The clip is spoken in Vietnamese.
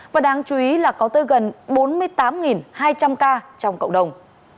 và đáng chú ý là có tới gần bốn mươi tám hai trăm linh ca trong cộng đồng